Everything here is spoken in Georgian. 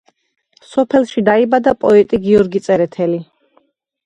სოფელში დაიბადა პოეტი გიორგი წერეთელი.